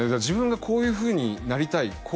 自分が「こういうふうになりたい」